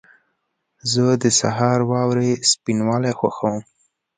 زه د سهار واورې سپینوالی خوښوم.